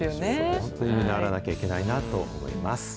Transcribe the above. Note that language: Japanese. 本当に見習わなきゃいけないなと思います。